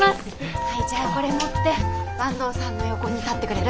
はいじゃあこれ持って坂東さんの横に立ってくれる？